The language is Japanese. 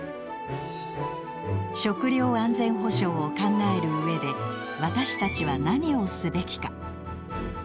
食料安全保障を考える上で私たちは何をすべきか？